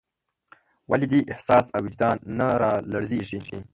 ولې دې احساس او وجدان نه رالړزېږي.